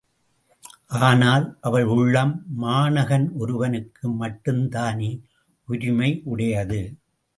ஆனால், அவள் உள்ளம் மாணகன் ஒருவனுக்கு மட்டும் தானே உரிமை உடையது?